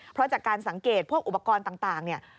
เพราะจากการสังเกตพวกอุปกรณ์ต่างเนี่ย